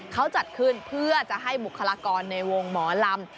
เขาจัดขึ้นเพื่อจะให้บุคลากรในวงหมอลำ